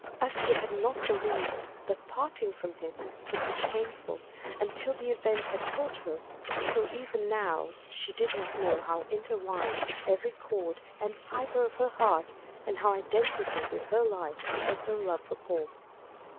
As she had not believed that parting from him would be painful until the event had taught her, so even now she did not know how intertwined with every chord and fibre of her heart and how identical with her life, was her love for Paul.